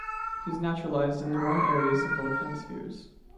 He was naturalized in the warm areas of both hemispheres.